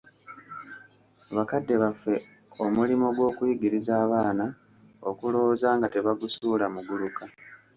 Bakadde baffe omulimo gw'okuyigiriza abaana okulowooza nga tebagusuula muguluka.